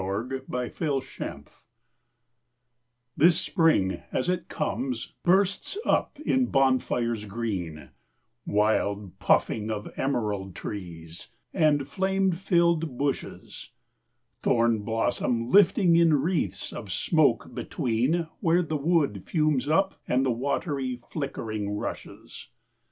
Lawrence 1885 1930This spring as it comes bursts up in bonfires green, Wild puffing of emerald trees, and flame filled bushes, Thorn blossom lifting in wreaths of smoke betweenWhere the wood fumes up and the watery, flickering rushes.